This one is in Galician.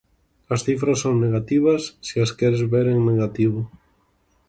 As cifras son negativas se as queres ver en negativo.